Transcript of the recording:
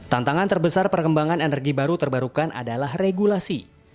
tantangan terbesar perkembangan energi baru terbarukan adalah regulasi